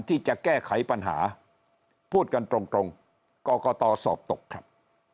ที่จะแก้ไขปัญหาพูดกันตรงกรกตสอบตกครับ